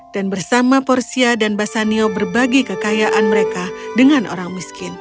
dan bersama portia dan bassanio berbagi kekayaan mereka dengan orang miskin